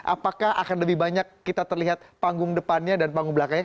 apakah akan lebih banyak kita terlihat panggung depannya dan panggung belakangnya